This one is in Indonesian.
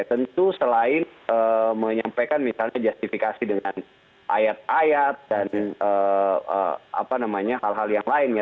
tentu selain menyampaikan misalnya justifikasi dengan ayat ayat dan apa namanya hal hal yang lainnya